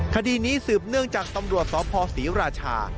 คดีนี้สืบเนื่องจากตำรวจสพศรีราชา